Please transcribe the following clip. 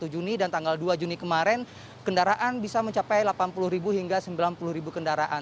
satu juni dan tanggal dua juni kemarin kendaraan bisa mencapai delapan puluh hingga sembilan puluh kendaraan